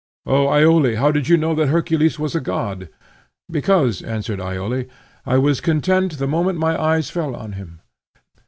"O Iole! how did you know that Hercules was a god?" "Because," answered Iole, "I was content the moment my eyes fell on him.